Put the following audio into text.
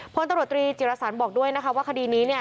พลตำรวจตรีจิรสันบอกด้วยนะคะว่าคดีนี้เนี่ย